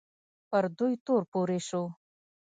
پر دوی تور پورې شو